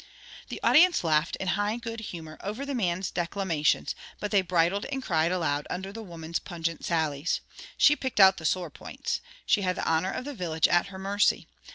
The audience laughed in high good humour over the man's declamations; but they bridled and cried aloud under the woman's pungent sallies. She picked out the sore points. She had the honour of the village at her mercy.